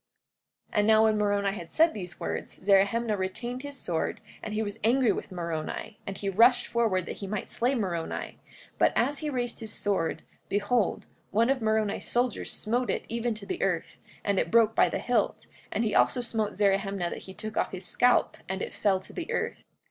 44:12 And now when Moroni had said these words, Zerahemnah retained his sword, and he was angry with Moroni, and he rushed forward that he might slay Moroni; but as he raised his sword, behold, one of Moroni's soldiers smote it even to the earth, and it broke by the hilt; and he also smote Zerahemnah that he took off his scalp and it fell to the earth.